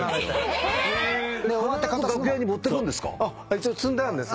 一応積んであんです。